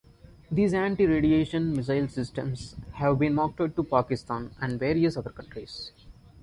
These anti-radiation missile systems have been marketed to Pakistan and various other countries.